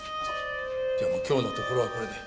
じゃあもう今日のところはこれで。